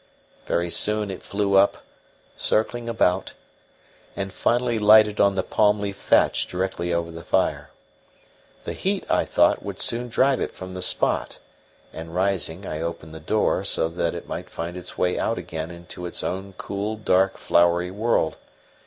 Very soon it flew up, circling about, and finally lighted on the palm leaf thatch directly over the fire. The heat, I thought, would soon drive it from the spot; and, rising, I opened the door, so that it might find its way out again into its own cool, dark, flowery world.